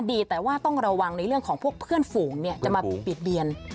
ดีแต่ว่าต้องระวังในเรื่องของพวกเพื่อนฝูงจะมาปิดเบียน